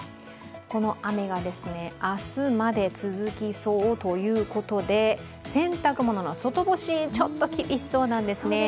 この雨が明日まで続きそうということで、洗濯物の外干しちょっと厳しそうなんですね。